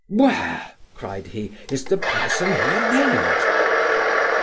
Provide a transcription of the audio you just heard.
where (cried he) is the person here named?